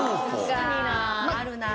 あるなあ。